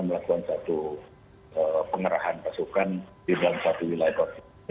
melakukan satu pengerahan pasukan di dalam satu wilayah covid sembilan belas